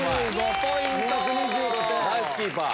ナイスキーパー！